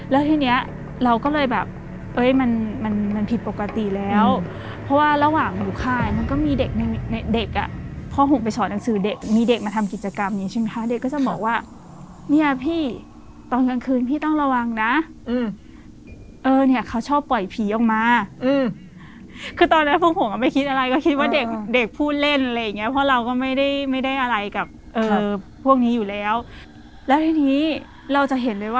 แล้วเพราะว่าระหว่างหลุคค่ายมันก็มีเด็กในเด็กอะพ่อห่วงไปชอบหนังสือเด็กมีเด็กมาทำกิจกรรมนี้ใช่ไหมคะเด็กก็จะบอกว่าเนี้ยพี่ตอนกลางคืนพี่ต้องระวังนะอืมเออเนี้ยเขาชอบปล่อยผีออกมาอืมคือตอนนั้นพวกผมก็ไม่คิดอะไรก็คิดว่าเด็กเด็กพูดเล่นอะไรอย่างเงี้ยเพราะเราก็ไม่ได้ไม่ได้อะไรกับเออพวกนี้อยู่แล้วแล้